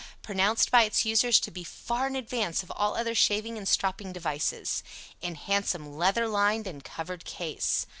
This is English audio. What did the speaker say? Pronounced by its users to be far in advance of all other shaving and stropping devices. In handsome leather lined and covered case.